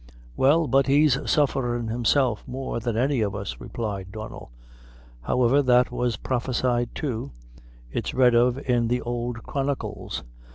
"Well, but he's sufferin' himself more than any of us," replied Donnel; "however, that was prophesied too; it's read of in the ould Chronicles.